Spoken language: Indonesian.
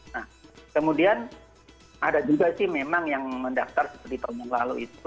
nah kemudian ada juga sih memang yang mendaftar seperti tahun yang lalu itu